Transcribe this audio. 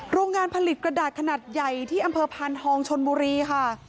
โรงงานผลิตกระดาษขนาดใหญ่ที่อำเภอพานทองชนบุรีค่ะ